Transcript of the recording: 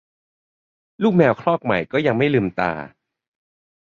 ลูกแมวครอกใหม่ก็ยังไม่ลืมตา